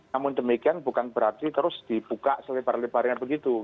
namun demikian bukan berarti terus dibuka selebar lebarnya begitu